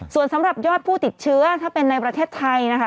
ส่วนสำหรับยอดผู้ติดเชื้อถ้าเป็นในประเทศไทยนะคะ